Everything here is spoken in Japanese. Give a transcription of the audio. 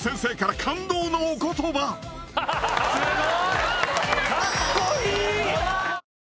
すごい！